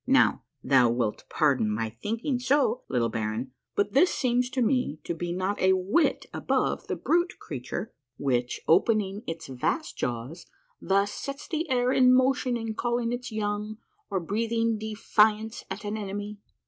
Now, thou wilt pardon my thinking so, little baron, but this seems to me to be not a whit above the brute creature, which, opening its vast jaws, thus sets the air in motion in calling its young or breathing defiance at an enemy.